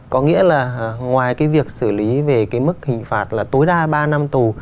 có nghĩa là ngoài cái việc xử lý về cái mức hình phạt là tối đa ba năm tù